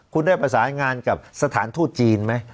คุณได้ประสานงานกับสถานทูตจีนไหม